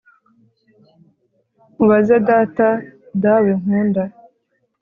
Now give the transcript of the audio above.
nkubaze data, dawe nkunda